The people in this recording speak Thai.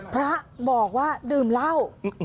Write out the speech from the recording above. พระบอกว่าดื่มเหล้า